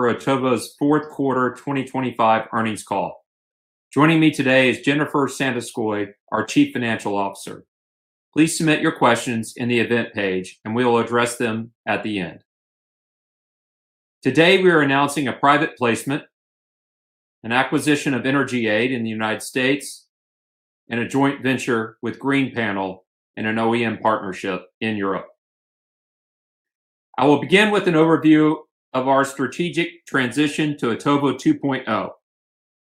For Otovo's Q4 2025 earnings call. Joining me today is Jennifer Santoscoy, our Chief Financial Officer. Please submit your questions in the event page, and we will address them at the end. Today, we are announcing a private placement, an acquisition of EnergyAid in the United States, and a joint venture with Green Panel and an OEM partnership in Europe. I will begin with an overview of our strategic transition to Otovo 2.0.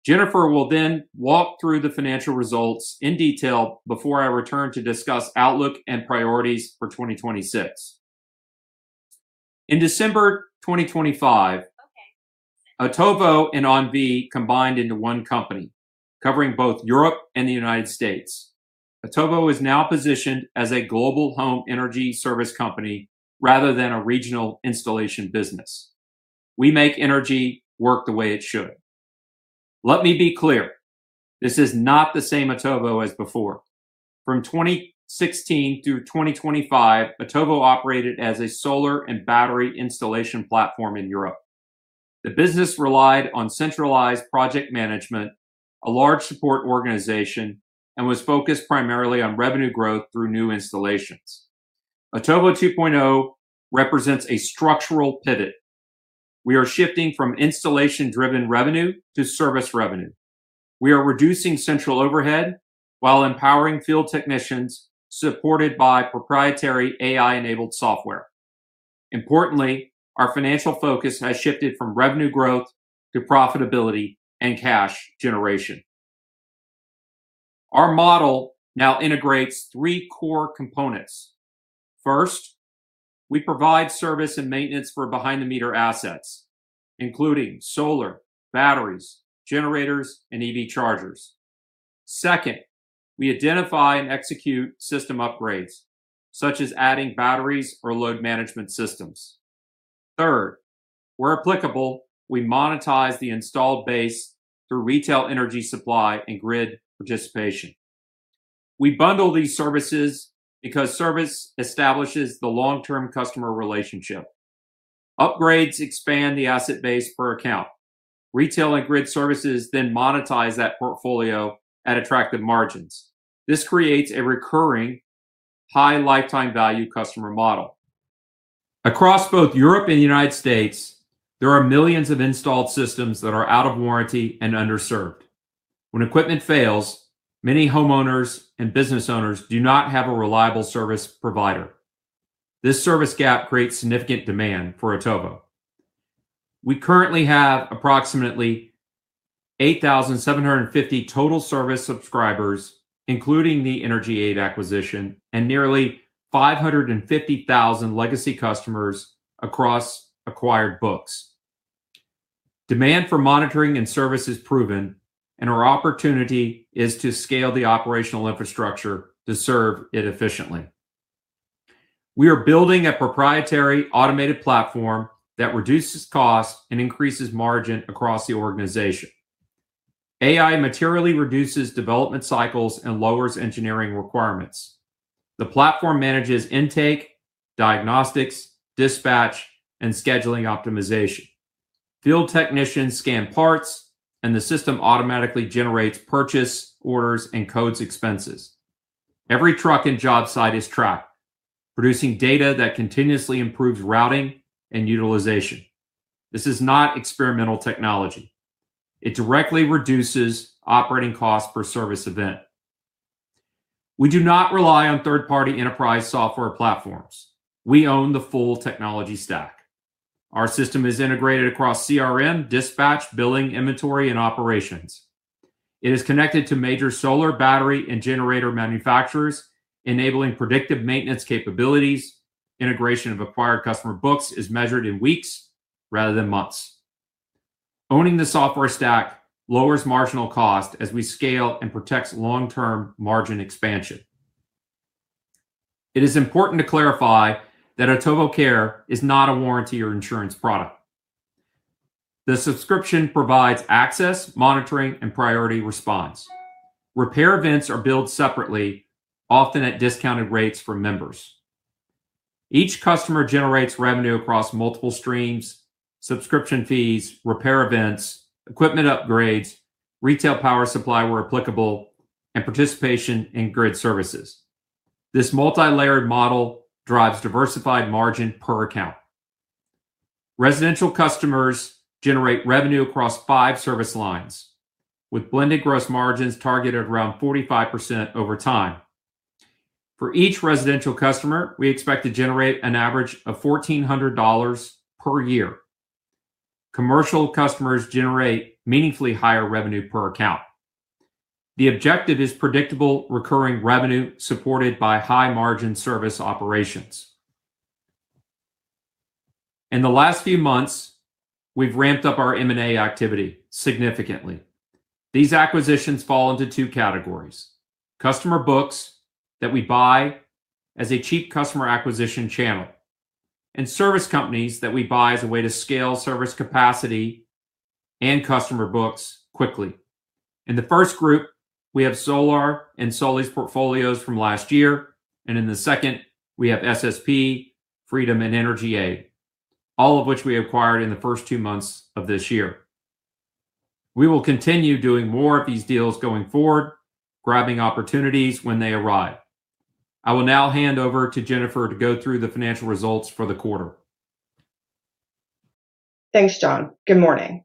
Jennifer will then walk through the financial results in detail before I return to discuss outlook and priorities for 2026. In December 2025, Otovo and Onvis combined into one company, covering both Europe and the United States. Otovo is now positioned as a global home energy service company rather than a regional installation business. We make energy work the way it should. Let me be clear, this is not the same Otovo as before. From 2016 through 2025, Otovo operated as a solar and battery installation platform in Europe. The business relied on centralized project management, a large support organization, and was focused primarily on revenue growth through new installations. Otovo 2.0 represents a structural pivot. We are shifting from installation-driven revenue to service revenue. We are reducing central overhead while empowering field technicians supported by proprietary AI-enabled software. Importantly, our financial focus has shifted from revenue growth to profitability and cash generation. Our model now integrates three core components. First, we provide service and maintenance for behind-the-meter assets, including solar, batteries, generators, and EV chargers. Second, we identify and execute system upgrades, such as adding batteries or load management systems. Third, where applicable, we monetize the installed base through retail energy supply and grid participation. We bundle these services because service establishes the long-term customer relationship. Upgrades expand the asset base per account. Retail and grid services then monetize that portfolio at attractive margins. This creates a recurring high lifetime value customer model. Across both Europe and United States, there are millions of installed systems that are out of warranty and underserved. When equipment fails, many homeowners and business owners do not have a reliable service provider. This service gap creates significant demand for Otovo. We currently have approximately 8,750 total service subscribers, including the EnergyAid acquisition and nearly 550,000 legacy customers across acquired books. Demand for monitoring and service is proven, and our opportunity is to scale the operational infrastructure to serve it efficiently. We are building a proprietary automated platform that reduces cost and increases margin across the organization. AI materially reduces development cycles and lowers engineering requirements. The platform manages intake, diagnostics, dispatch, and scheduling optimization. Field technicians scan parts, and the system automatically generates purchase orders and codes expenses. Every truck and job site is tracked, producing data that continuously improves routing and utilization. This is not experimental technology. It directly reduces operating costs per service event. We do not rely on third-party enterprise software platforms. We own the full technology stack. Our system is integrated across CRM, dispatch, billing, inventory, and operations. It is connected to major solar, battery, and generator manufacturers, enabling predictive maintenance capabilities. Integration of acquired customer books is measured in weeks rather than months. Owning the software stack lowers marginal cost as we scale and protects long-term margin expansion. It is important to clarify that Otovo Care is not a warranty or insurance product. The subscription provides access, monitoring, and priority response. Repair events are billed separately, often at discounted rates for members. Each customer generates revenue across multiple streams, subscription fees, repair events, equipment upgrades, retail power supply where applicable, and participation in grid services. This multi-layered model drives diversified margin per account. Residential customers generate revenue across five service lines, with blended gross margins targeted around 45% over time. For each residential customer, we expect to generate an average of $1,400 per year. Commercial customers generate meaningfully higher revenue per account. The objective is predictable recurring revenue supported by high-margin service operations. In the last few months, we've ramped up our M&A activity significantly. These acquisitions fall into two categories: customer books that we buy as a cheap customer acquisition channel and service companies that we buy as a way to scale service capacity and customer books quickly. In the first group, we have Solar and Soly's portfolios from last year. In the second, we have SSP, Freedom, and EnergyAid, all of which we acquired in the first two months of this year. We will continue doing more of these deals going forward, grabbing opportunities when they arrive. I will now hand over to Jennifer to go through the financial results for the quarter. Thanks, John. Good morning.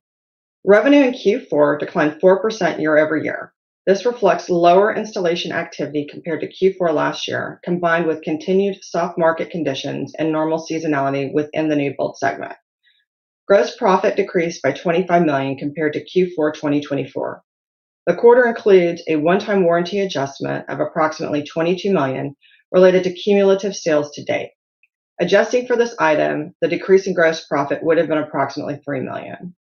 Revenue in Q4 declined 4% year-over-year. This reflects lower installation activity compared to Q4 last year, combined with continued soft market conditions and normal seasonality within the new build segment. Gross profit decreased by 25 million compared to Q4 2024. The quarter includes a one-time warranty adjustment of approximately 22 million related to cumulative sales to date. Adjusting for this item, the decrease in gross profit would have been approximately 3 million.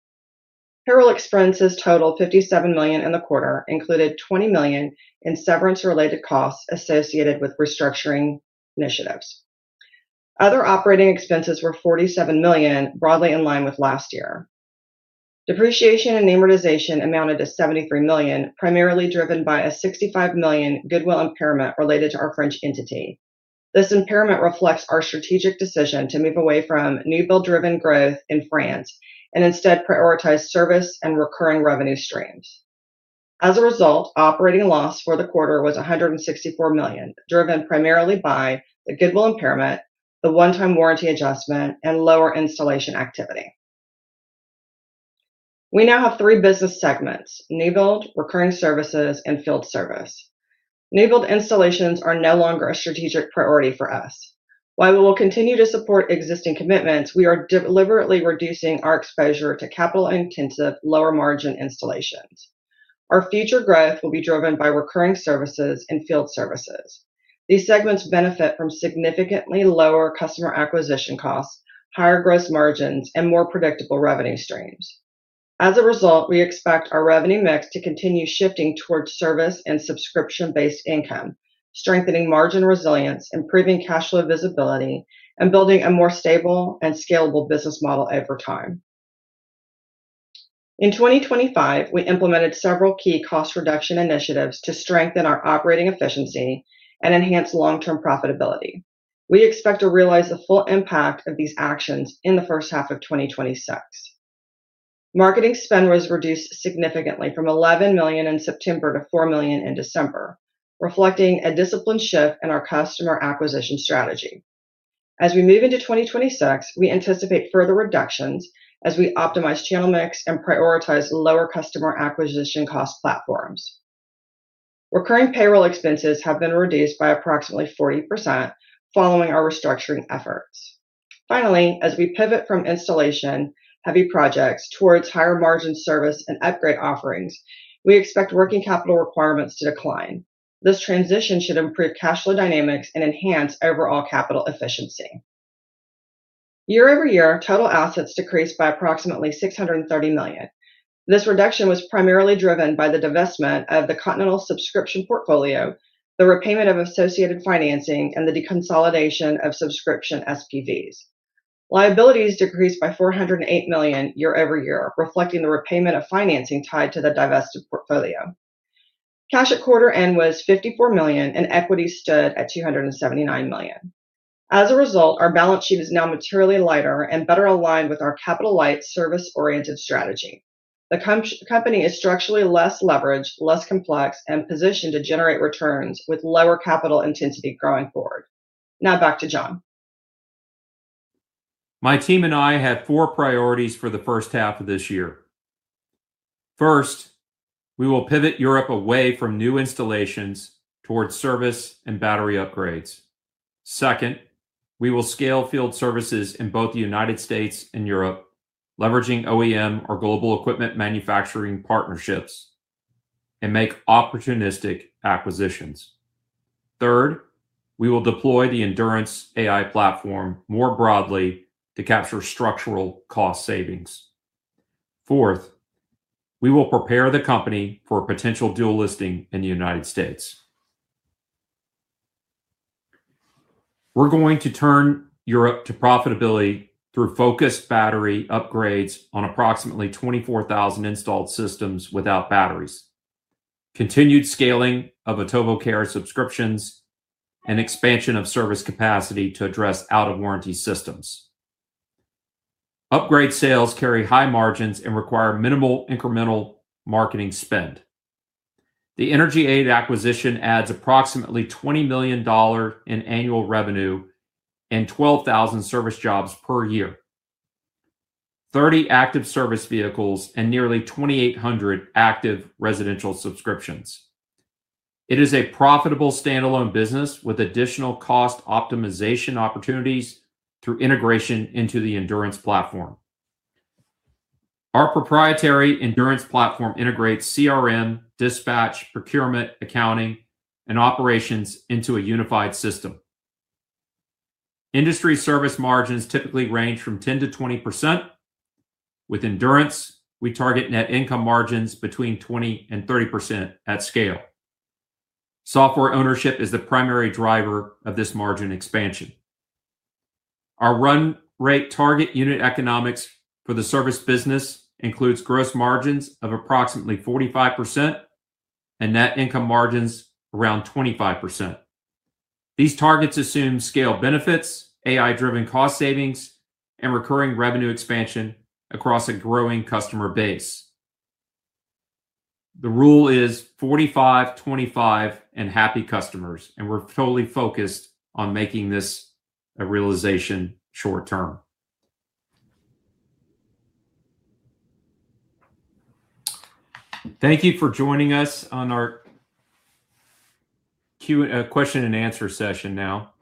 Payroll expenses totaled 57 million in the quarter, included 20 million in severance-related costs associated with restructuring initiatives. Other operating expenses were 47 million, broadly in line with last year. Depreciation and amortization amounted to 73 million, primarily driven by a 65 million goodwill impairment related to our French entity. This impairment reflects our strategic decision to move away from new build-driven growth in France and instead prioritize service and recurring revenue streams. As a result, operating loss for the quarter was 164 million, driven primarily by the goodwill impairment, the one-time warranty adjustment, and lower installation activity. We now have three business segments: new build, recurring services, and field service. New build installations are no longer a strategic priority for us. While we will continue to support existing commitments, we are deliberately reducing our exposure to capital-intensive, lower-margin installations. Our future growth will be driven by recurring services and field services. These segments benefit from significantly lower customer acquisition costs, higher gross margins, and more predictable revenue streams. As a result, we expect our revenue mix to continue shifting towards service and subscription-based income, strengthening margin resilience, improving cash flow visibility, and building a more stable and scalable business model over time. In 2025, we implemented several key cost reduction initiatives to strengthen our operating efficiency and enhance long-term profitability. We expect to realize the full impact of these actions in the H1 of 2026. Marketing spend was reduced significantly from 11 million in September to 4 million in December, reflecting a disciplined shift in our customer acquisition strategy. As we move into 2026, we anticipate further reductions as we optimize channel mix and prioritize lower customer acquisition cost platforms. Recurring payroll expenses have been reduced by approximately 40% following our restructuring efforts. Finally, as we pivot from installation-heavy projects towards higher-margin service and upgrade offerings, we expect working capital requirements to decline. This transition should improve cash flow dynamics and enhance overall capital efficiency. Year-over-year, total assets decreased by approximately 630 million. This reduction was primarily driven by the divestment of the Continental subscription portfolio, the repayment of associated financing, and the deconsolidation of subscription SPVs. Liabilities decreased by 408 million year-over-year, reflecting the repayment of financing tied to the divested portfolio. Cash at quarter end was 54 million, and equity stood at 279 million. As a result, our balance sheet is now materially lighter and better aligned with our capital light service-oriented strategy. The company is structurally less leveraged, less complex, and positioned to generate returns with lower capital intensity growing forward. Now back to John. My team and I have four priorities for the H1 of this year. First, we will pivot Europe away from new installations towards service and battery upgrades. Second, we will scale field services in both the US and Europe, leveraging OEM or global equipment manufacturing partnerships, and make opportunistic acquisitions. Third, we will deploy the Endurance AI platform more broadly to capture structural cost savings. Fourth, we will prepare the company for a potential dual listing in the US We're going to turn Europe to profitability through focused battery upgrades on approximately 24,000 installed systems without batteries, continued scaling of Otovo Care subscriptions, and expansion of service capacity to address out-of-warranty systems. Upgrade sales carry high margins and require minimal incremental marketing spend. The EnergyAid acquisition adds approximately $20 million in annual revenue and 12,000 service jobs per year, 30 active service vehicles, and nearly 2,800 active residential subscriptions. It is a profitable standalone business with additional cost optimization opportunities through integration into the Endurance platform. Our proprietary Endurance platform integrates CRM, dispatch, procurement, accounting, and operations into a unified system. Industry service margins typically range from 10%-20%. With Endurance, we target net income margins between 20% and 30% at scale. Software ownership is the primary driver of this margin expansion. Our run rate target unit economics for the service business includes gross margins of approximately 45% and net income margins around 25%. These targets assume scale benefits, AI-driven cost savings, and recurring revenue expansion across a growing customer base. The rule is 45, 25, and happy customers, and we're totally focused on making this a realization short term. Thank you for joining us on our question and answer session now.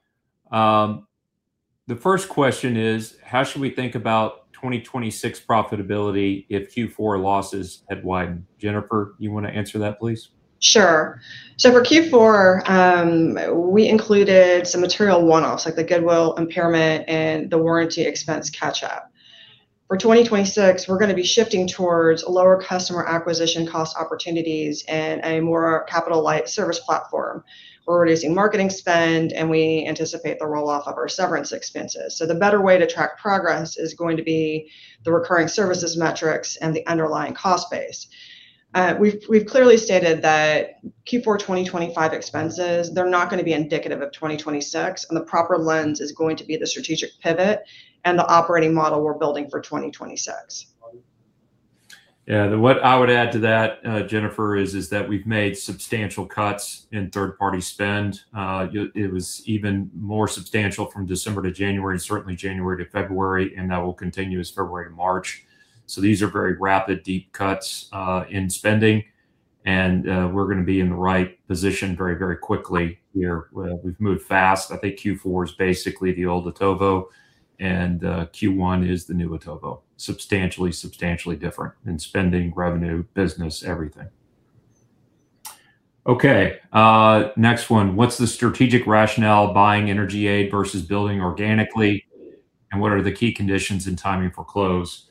The first question is, how should we think about 2026 profitability if Q4 losses had widened? Jennifer, you wanna answer that, please? Sure. For Q4, we included some material one-offs, like the goodwill impairment and the warranty expense catch-up. For 2026, we're gonna be shifting towards lower customer acquisition cost opportunities and a more capital light service platform. We're reducing marketing spend. We anticipate the roll-off of our severance expenses. The better way to track progress is going to be the recurring services metrics and the underlying cost base. We've clearly stated that Q4 2025 expenses, they're not gonna be indicative of 2026, and the proper lens is going to be the strategic pivot and the operating model we're building for 2026. Yeah. What I would add to that, Jennifer, is that we've made substantial cuts in third-party spend. It was even more substantial from December to January, certainly January to February, and that will continue as February, March. These are very rapid, deep cuts in spending. We're gonna be in the right position very, very quickly here. We've moved fast. I think Q4 is basically the old Otovo, Q1 is the new Otovo. Substantially different in spending, revenue, business, everything. Next one. What's the strategic rationale buying EnergyAid versus building organically, what are the key conditions and timing for close?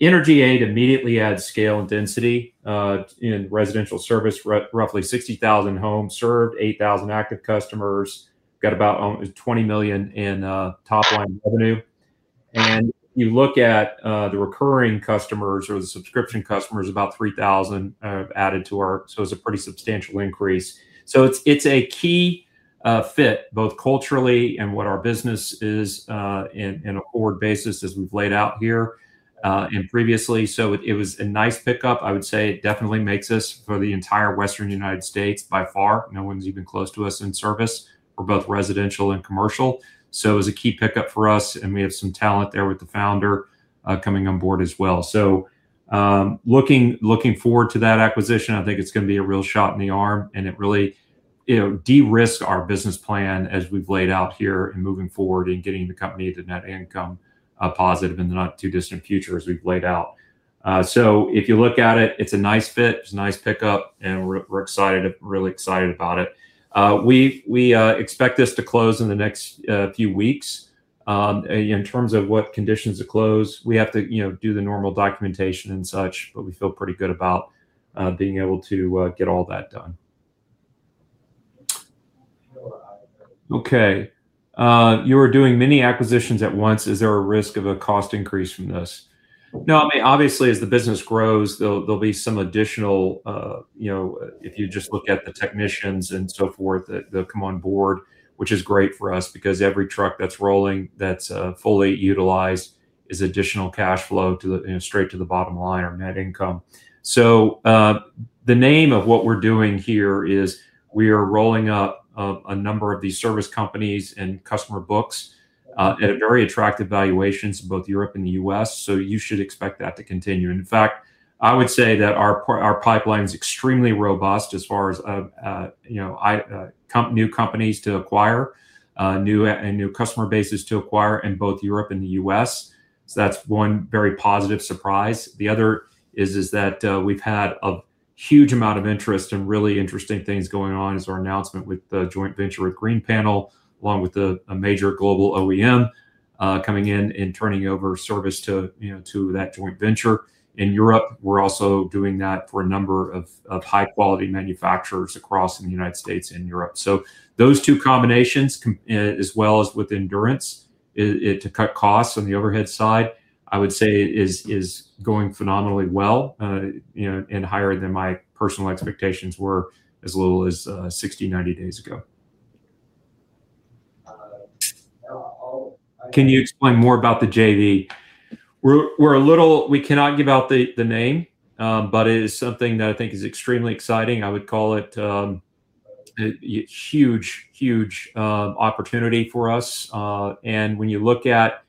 EnergyAid immediately adds scale and density in residential service. Roughly 60,000 homes served, 8,000 active customers. Got about $20 million in top-line revenue. You look at, the recurring customers or the subscription customers, about 3,000 added to our... It's a pretty substantial increase. It's, it's a key, fit, both culturally and what our business is, in a forward basis as we've laid out here, and previously. It, it was a nice pickup. I would say it definitely makes us for the entire Western United States by far. No one's even close to us in service for both residential and commercial. It's a key pickup for us, and we have some talent there with the founder, coming on board as well. Looking, looking forward to that acquisition. I think it's gonna be a real shot in the arm, and it really, you know, de-risks our business plan as we've laid out here in moving forward in getting the company to net income positive in the not too distant future as we've laid out. If you look at it's a nice fit, it's a nice pickup, and we're excited, really excited about it. We expect this to close in the next few weeks. In terms of what conditions to close, we have to, you know, do the normal documentation and such, but we feel pretty good about being able to get all that done. Okay. You were doing many acquisitions at once. Is there a risk of a cost increase from this? No. I mean, obviously, as the business grows, there'll be some additional, you know, if you just look at the technicians and so forth, that they'll come on board, which is great for us because every truck that's rolling, that's fully utilized is additional cash flow to the, you know, straight to the bottom line, our net income. The name of what we're doing here is we are rolling up a number of these service companies and customer books at a very attractive valuations in both Europe and the US You should expect that to continue. In fact, I would say that our pipeline is extremely robust as far as, you know, new companies to acquire, new, and new customer bases to acquire in both Europe and the US That's one very positive surprise. The other is that we've had a huge amount of interest and really interesting things going on as our announcement with the joint venture with Green Panel, along with a major global OEM coming in and turning over service to, you know, to that joint venture. In Europe, we're also doing that for a number of high-quality manufacturers across in the United States and Europe. Those two combinations as well as with Endurance it to cut costs on the overhead side, I would say is going phenomenally well, you know, and higher than my personal expectations were as little as 60, 90 days ago. Can you explain more about the JV? We cannot give out the name, but it is something that I think is extremely exciting. I would call it, a huge, huge opportunity for us. When you look at,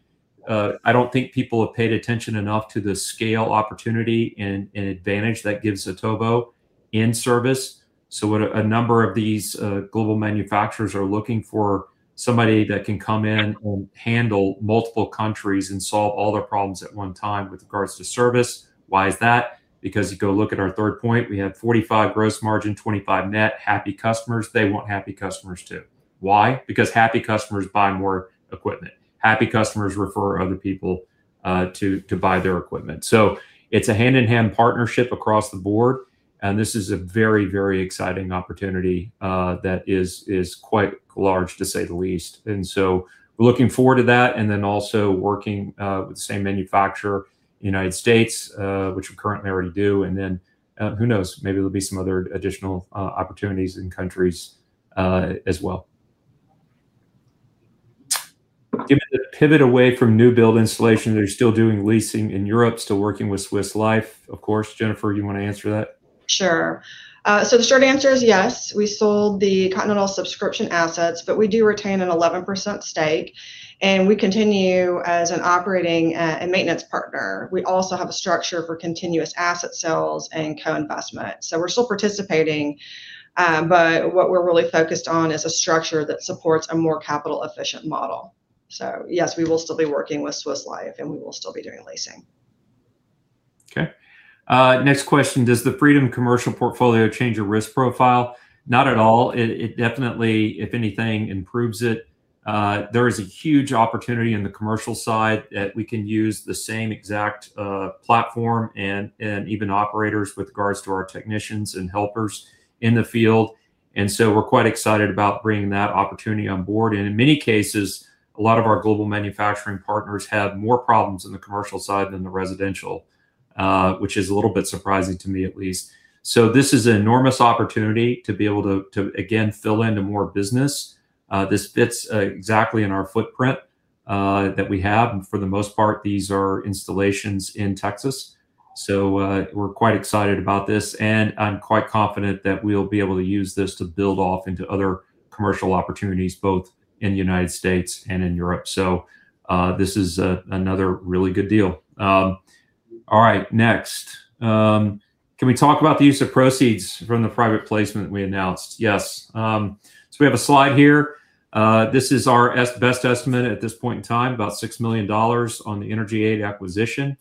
I don't think people have paid attention enough to the scale opportunity and advantage that gives Otovo in service. What a number of these global manufacturers are looking for somebody that can come in and handle multiple countries and solve all their problems at one time with regards to service. Why is that? Because you go look at our third point, we have 45% gross margin, 25% net, happy customers. They want happy customers too. Why? Because happy customers buy more equipment. Happy customers refer other people to buy their equipment. It's a hand-in-hand partnership across the board. This is a very, very exciting opportunity that is quite large, to say the least. We're looking forward to that, and then also working with the same manufacturer in United States, which we currently already do. Who knows? Maybe there'll be some other additional opportunities in countries as well. Given the pivot away from new build installation, are you still doing leasing in Europe, still working with Swiss Life? Of course. Jennifer, you wanna answer that? Sure. The short answer is yes. We sold the Continental subscription assets, but we do retain an 11% stake, and we continue as an operating and maintenance partner. We also have a structure for continuous asset sales and co-investment. We're still participating, but what we're really focused on is a structure that supports a more capital-efficient model. Yes, we will still be working with Swiss Life, and we will still be doing leasing. Next question: Does the Freedom commercial portfolio change your risk profile? Not at all. It definitely, if anything, improves it. There is a huge opportunity in the commercial side that we can use the same exact platform and even operators with regards to our technicians and helpers in the field. We're quite excited about bringing that opportunity on board. In many cases, a lot of our global manufacturing partners have more problems in the commercial side than the residential, which is a little bit surprising to me at least. This is an enormous opportunity to be able to again, fill into more business. This fits exactly in our footprint that we have. For the most part, these are installations in Texas. We're quite excited about this, and I'm quite confident that we'll be able to use this to build off into other commercial opportunities, both in the United States and in Europe. This is another really good deal. All right. Next, can we talk about the use of proceeds from the private placement we announced? Yes. We have a slide here. This is our best estimate at this point in time, about $6 million on the EnergyAid acquisition,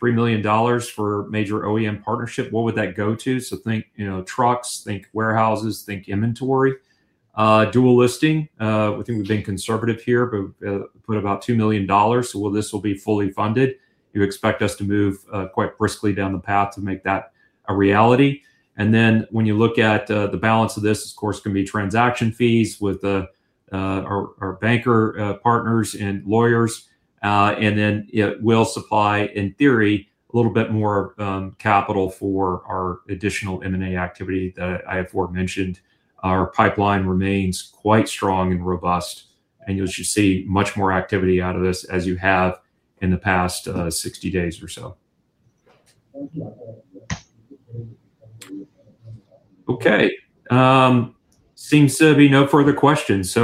$3 million for major OEM partnership. What would that go to? Think, you know, trucks, think warehouses, think inventory. Dual listing. We think we're being conservative here, but put about $2 million. This will be fully funded. You expect us to move quite briskly down the path to make that a reality. When you look at the balance of this course can be transaction fees with our banker partners and lawyers. It will supply, in theory, a little bit more capital for our additional M&A activity that I aforementioned. Our pipeline remains quite strong and robust, and you should see much more activity out of this as you have in the past 60 days or so. Okay. Seems to be no further questions.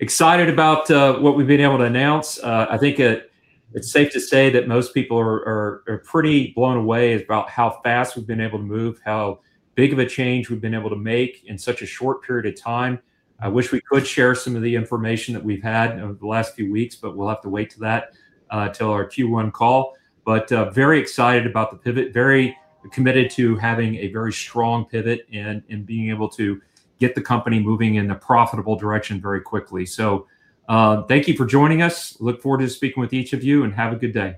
Excited about what we've been able to announce. I think it's safe to say that most people are pretty blown away about how fast we've been able to move, how big of a change we've been able to make in such a short period of time. I wish we could share some of the information that we've had over the last few weeks, but we'll have to wait to that till our Q1 call. Very excited about the pivot, very committed to having a very strong pivot and being able to get the company moving in a profitable direction very quickly. Thank you for joining us. Look forward to speaking with each of you, and have a good day.